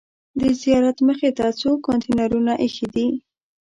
د زیارت مخې ته څو کانتینرونه ایښي دي.